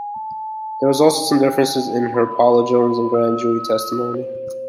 There were also some differences in her Paula Jones and Grand Jury testimony.